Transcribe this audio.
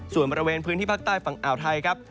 ส่วนบริเวณพื้นที่ภาคใต้ฝั่งอ่าวไทยครับ